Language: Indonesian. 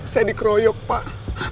saya dikeroyok pak